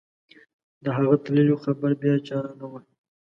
د هغو تللیو خبر بیا چا رانه وړ.